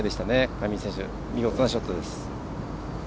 上井選手、見事なショットです。